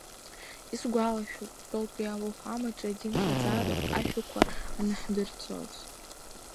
Исгәалашәоит, Кәтолтәи ауахәамаҿ адинхаҵаратә ашәақәа анаҳдырҵоз…